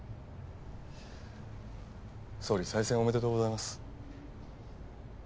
総理再選おめでとうございます。